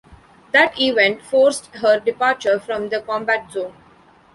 That event forced her departure from the combat zone.